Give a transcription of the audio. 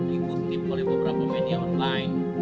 dikutip oleh beberapa media online